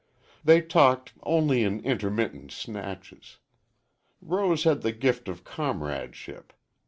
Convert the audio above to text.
They talked only in intermittent snatches. Rose had the gift of comradeship.